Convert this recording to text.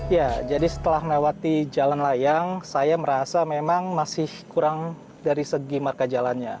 ya jadi setelah melewati jalan layang saya merasa memang masih kurang dari segi marka jalannya